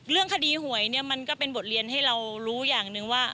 เรื่องคดีหวยเนี่ยมันก็เป็นบทเรียนให้เรารู้อย่างหนึ่งว่า